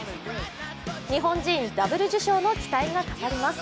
日本人ダブル受賞の期待がかかります。